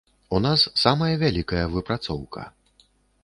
У нас самая вялікая выпрацоўка.